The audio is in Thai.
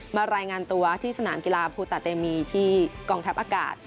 มารายงานตัวที่สนามกีฬาภูตาเตมีที่กองทัพอากาศ